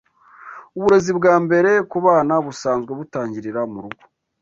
Uburezi bwambere kubana busanzwe butangirira murugo